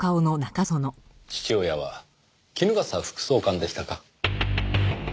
父親は衣笠副総監でしたか。